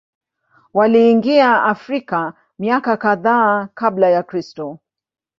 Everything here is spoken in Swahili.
Waliingia Afrika miaka kadhaa Kabla ya Kristo.